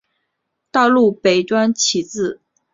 道路北端起自。